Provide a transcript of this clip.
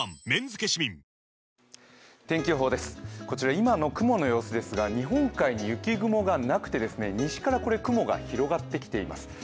こちら、今の雲の様子ですが日本海に雪雲がなくて西から雲が広がってきています。